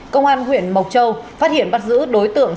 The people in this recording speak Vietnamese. công an huyện mộc châu phát hiện bắt giữ đối tượng